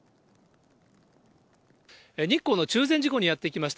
日光の中禅寺湖にやって来ました。